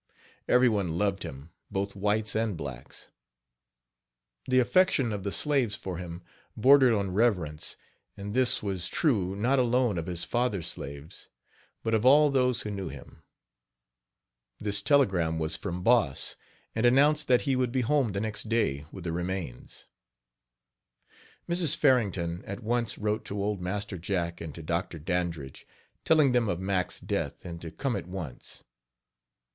Every one loved him both whites and blacks. The affection of the slaves for him bordered on reverence, and this was true not alone of his father's slaves, but of all those who knew him. This telegram was from Boss, and announced that he would be home the next day with the remains. Mrs. Farrington at once wrote to old Master Jack and to Dr. Dandridge, telling them of Mack's death and to come at once.